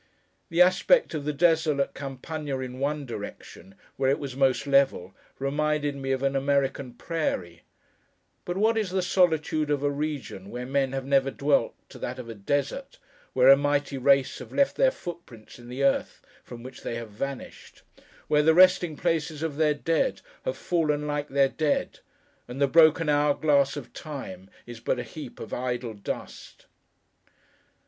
The aspect of the desolate Campagna in one direction, where it was most level, reminded me of an American prairie; but what is the solitude of a region where men have never dwelt, to that of a Desert, where a mighty race have left their footprints in the earth from which they have vanished; where the resting places of their Dead, have fallen like their Dead; and the broken hour glass of Time is but a heap of idle dust!